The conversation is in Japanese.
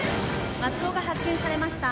松尾が発見されました。